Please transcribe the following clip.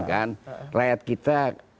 kan rakyat kita